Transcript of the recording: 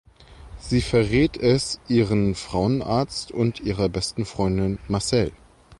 Sie verrät es ihren Frauenarzt und ihrer besten Freundin Marcelle.